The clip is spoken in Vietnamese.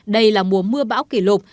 đây là mùa mưa bão kỷ lục